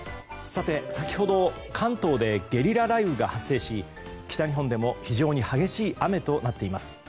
先ほど関東でゲリラ雷雨が発生し北日本でも非常に激しい雨となっています。